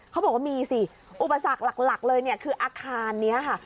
เขาบอกว่ามีสิอุปสรรคหลักเลยเนี่ยคืออาคารนี้ค่ะ